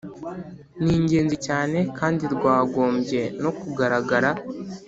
ni ingenzi cyane kandi rwagombye no kugaragara